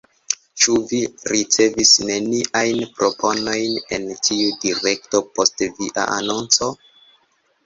Ĉu vi ricevis neniajn proponojn en tiu direkto post via anonco?